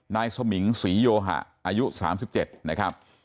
นายสมิงศรีโยหะอายุ๓๗นะครับ